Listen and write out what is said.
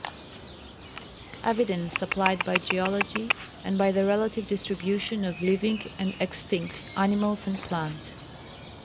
[Sidenote: Evidence supplied by Geology and by the relative distribution of living and extinct Animals and Plants.